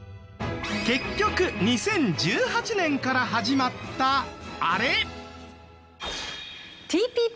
結局２０１８年から始まったあれ。